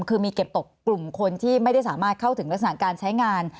คือมีเก็บตกกลุ่มคนที่ไม่ได้สามารถเข้าถึงลักษณะการใช้งาน